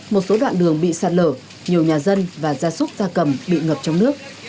một số đoạn đường bị sạt lở nhiều nhà dân và gia súc gia cầm bị ngập trong nước